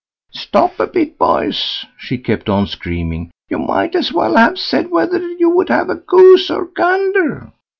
"Stop a bit, boys!" she kept on screaming, "you might as well have said whether you would have goose or gander?"